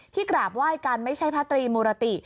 กราบไหว้กันไม่ใช่พระตรีมุรติ